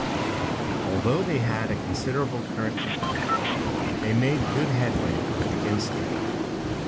Although they soon had a considerable current to fight, they made good headway against it.